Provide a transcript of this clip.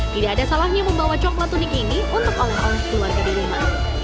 tidak ada salahnya membawa coklat unik ini untuk oleh om keluarga dede ma